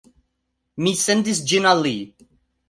Mi sendis ĝin al li